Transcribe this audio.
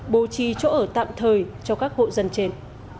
bố trí chỗ ở tạm thời cho các hộ dân trên